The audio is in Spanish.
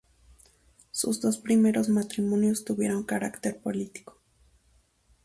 Sus dos primeros matrimonios tuvieron carácter político.